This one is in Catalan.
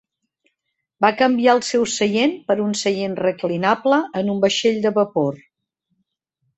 Va canviar el seu seient per un seient reclinable en un vaixell de vapor.